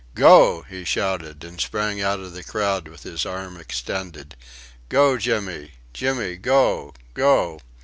"Go!" he shouted, and sprang out of the crowd with his arm extended. "Go, Jimmy! Jimmy, go! Go!"